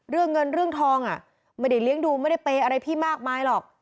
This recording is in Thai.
เรื่องเงินเรื่องทองไม่ได้เลี้ยงดูไม่ได้เปย์อะไรพี่มากมายหรอก